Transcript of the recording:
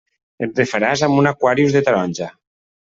Et refaràs amb un Aquarius de taronja.